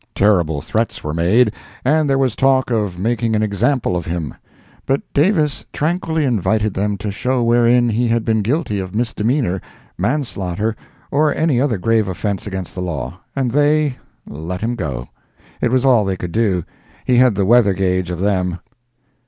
Terrible threats were made, and there was talk of making an example of him; but Davis tranquilly invited them to show wherein he had been guilty of misdemeanor, manslaughter, or any other grave offence against the law, and they—let him go. It was all they could do. He had the weather gauge of them.